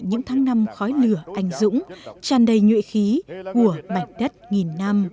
những tháng năm khói lửa ảnh dũng tràn đầy nhuệ khí của mạch đất nghìn năm